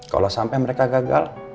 kalau sampai mereka gagal